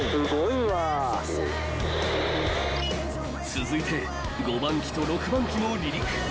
［続いて５番機と６番機も離陸］